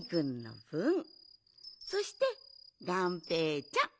そしてがんぺーちゃん。